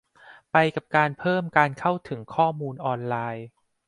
ไปกับการเพิ่มการเข้าถึงข้อมูลออนไลน์ ?